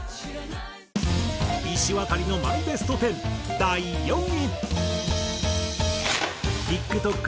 いしわたりのマイベスト１０第４位。